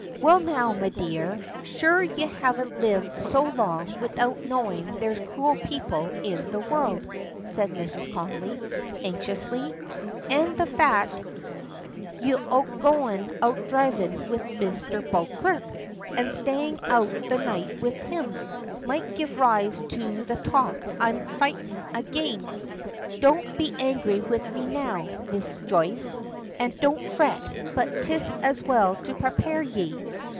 "Well now, me dear, sure ye haven't lived so long widout knowin' there's cruel people in the world," says Mrs. Connolly, anxiously. "An' the fact o' you goin' out dhrivin' wid Mr. Beauclerk, an' stayin' out the night wid him, might give rise to the talk I'm fightin' agin. Don't be angry wid me now, Miss Joyce, an' don't fret, but 'tis as well to prepare ye."